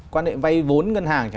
quan hệ vay vốn ngân hàng